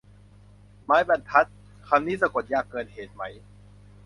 ไม้บรรทัด คำนี้สะกดยากเกินเหตุไหม